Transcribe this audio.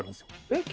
えっ？